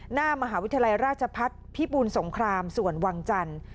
หน้ามหาวิทยาลัยราชพัฒน์พิบูลสงครามส่วนวังจันทร์